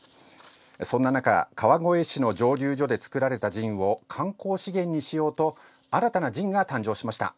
そんな中川越市の蒸留所で作られたジンを観光資源にしようと新たなジンが誕生しました。